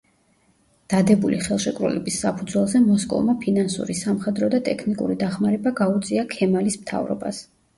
დადებული ხელშეკრულების საფუძველზე მოსკოვმა ფინანსური, სამხედრო და ტექნიკური დახმარება გაუწია ქემალის მთავრობას.